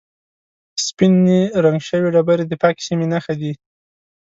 سپینې رنګ شوې ډبرې د پاکې سیمې نښې دي.